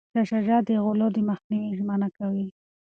شاه شجاع د غلو د مخنیوي ژمنه کوي.